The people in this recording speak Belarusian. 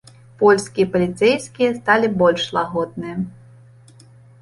Польскія паліцэйскія сталі больш лагодныя.